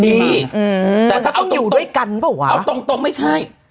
มีมันจะต้องอยู่ด้วยกันป่าววะเอาตรงไม่ใช่